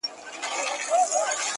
له هر یوه سره د غلو ډلي غدۍ وې دلته-